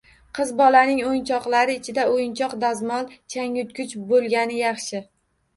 Qiz bolaning o‘yinchoqlari ichida o‘yinchoq dazmol, changyutgich bo‘lgani yaxshi.